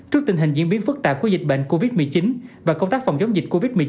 trước tình hình diễn biến phức tạp của dịch bệnh covid một mươi chín và công tác phòng chống dịch covid một mươi chín